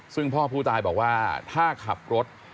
ซึ่งพ่อผู้ตายบอกว่าถ้าขับรถ